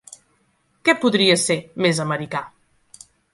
Què podria ser més americà!